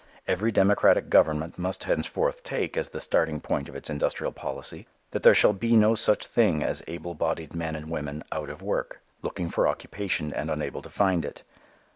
Every democratic Government must henceforth take as the starting point of its industrial policy, that there shall be no such thing as able bodied men and women "out of work," looking for occupation and unable to find it.